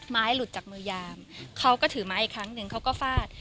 หลุดจากมือยามเขาก็ถือไม้อีกครั้งหนึ่งเขาก็ฟาด